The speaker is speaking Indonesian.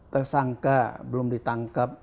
tersangka belum ditangkap